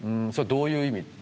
それはどういう意味？